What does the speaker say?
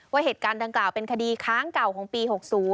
เหตุการณ์ดังกล่าวเป็นคดีค้างเก่าของปี๖๐